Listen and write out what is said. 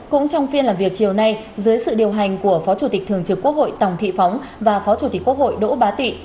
cũng trong phiên làm việc chiều nay dưới sự điều hành của phó chủ tịch thường trực quốc hội tòng thị phóng và phó chủ tịch quốc hội đỗ bá tị